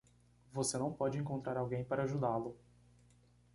Você não pode encontrar alguém para ajudá-lo.